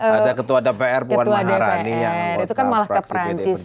ada ketua dpr puan maharani yang fraksi pdi perjuangan